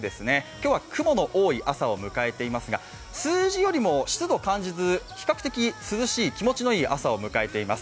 今日は雲の多い朝を迎えていますが数字よりも湿度を感じず比較的涼しい、気持ちのいい朝を迎えています。